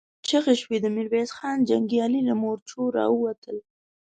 چيغې شوې، د ميرويس خان جنګيالي له مورچو را ووتل.